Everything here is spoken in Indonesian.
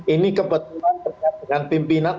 ini kebetulan terkait dengan pimpinan